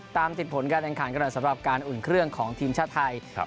ตามติดผลการแอนการกันกันสำหรับการอุ่นเครื่องของทีมชาติไทยครับ